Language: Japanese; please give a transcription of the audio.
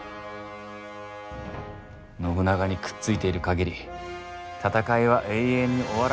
信長にくっついている限り戦いは永遠に終わらん無間地獄じゃ！